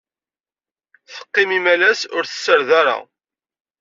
Teqqim imalas ur tessared ara.